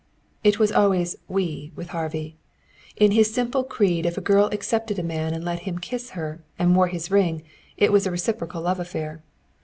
It was always "we" with Harvey. In his simple creed if a girl accepted a man and let him kiss her and wore his ring it was a reciprocal love affair.